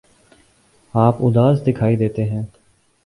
آپ اداس دکھائی دیتے ہیں